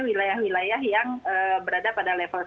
wilayah wilayah yang berada pada level satu